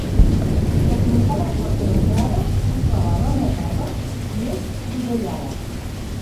L'esmentada porta d'entrada es troba arran de terra i és adovellada.